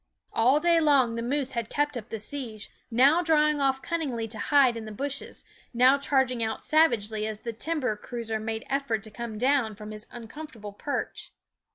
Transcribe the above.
All THE WOODS day long the moose had kept up the siege, now drawing off cunningly to hide in the bushes, now charging out savagely as the timber cruiser made effort to come down from his uncomfortable perch.